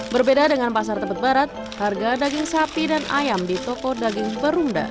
berbeda dengan pasar tebet barat harga daging sapi dan ayam di toko daging perunda